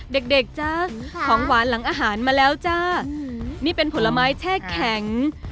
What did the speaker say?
เด็กเด็กจ้าของหวานหลังอาหารมาแล้วจ้านี่เป็นผลไม้แช่แข็ง